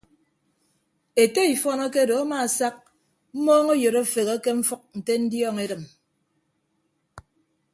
Ete ifọn akedo amaasak mmọọñọyịd afeghe ke mfʌk nte ndiọñ edịm.